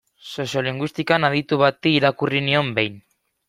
Soziolinguistikan aditu bati irakurri nion behin.